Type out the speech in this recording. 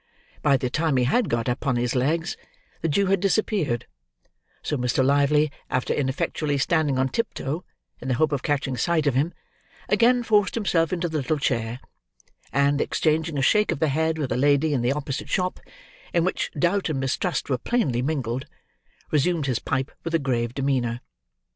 By the time he had got upon his legs, the Jew had disappeared; so Mr. Lively, after ineffectually standing on tiptoe, in the hope of catching sight of him, again forced himself into the little chair, and, exchanging a shake of the head with a lady in the opposite shop, in which doubt and mistrust were plainly mingled, resumed his pipe with a grave demeanour.